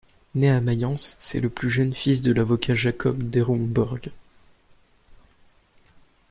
Né à Mayence, c'est le plus jeune fils de l'avocat Jacob Derenburg.